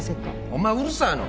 お前うるさいな。